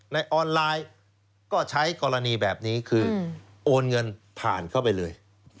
ในออนไลน์ก็ใช้กรณีแบบนี้คือโอนเงินผ่านเข้าไปเลย